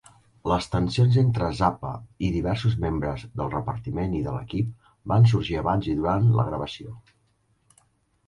Les tensions entre Zappa i diversos membres del repartiment i de l'equip van sorgir abans i durant la gravació.